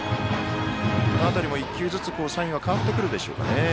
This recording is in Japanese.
この当たりも１球ずつサインが変わってくるでしょうか。